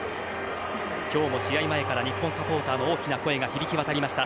今日も試合前から日本サポーターの大きな声が響き渡りました。